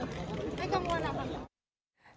ไม่กังวลล่ะครับ